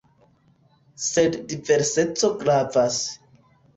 Sed diverseco gravas.